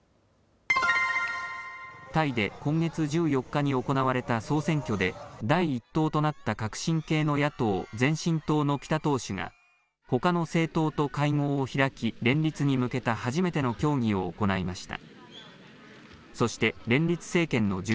タイで今月１４日に行われた総選挙で、第１党となった革新系の野党・前進党のピタ党首が、ほかの政党と会合を開き、連立に向けた初めての協議を行いました。